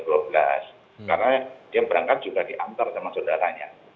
karena dia berangkat juga diantar sama saudaranya